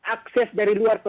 akses dari luar